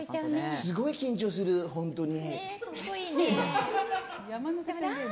すごい緊張する、本当に。